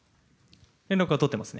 連絡は取ってますね。